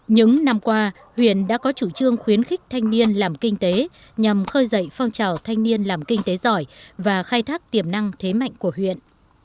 những năm qua huyện đã có chủ trương khuyến khích thanh niên làm kinh tế nhằm khơi dậy phong trào thanh niên làm kinh tế giỏi và khai thác tiềm năng thế mạnh của huyện